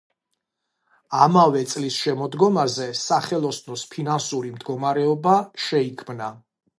ამავე წლის შემოდგომაზე სახელოსნოს ფინანსური მდგომარეობა შეიქმნა.